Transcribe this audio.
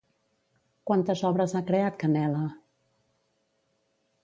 Quantes obres ha creat Canela?